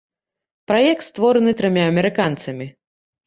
Праект створаны трыма амерыканцамі.